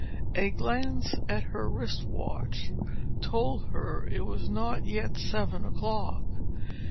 A glance at her wrist watch told her it was not yet seven o'clock.